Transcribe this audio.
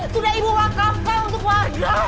sudah ibu wakarsa untuk warga